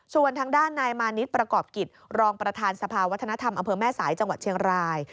ส่วนทางด้านนายมานิดประกอบกิจรองประธานสภาวัฒนธรรมอำเภอแม่สายจังหวัดเชียงราย